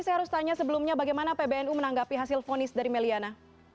saya harus tanya sebelumnya bagaimana pbnu menanggapi hasil fonis dari meliana